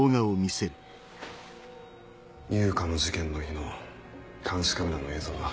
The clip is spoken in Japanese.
悠香の事件の日の監視カメラの映像だ。